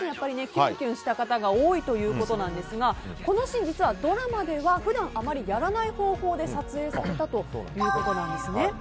キュンキュンした方が多いということですがこのシーン、ドラマでは普段あまりやらない方法で撮影されたということなんです。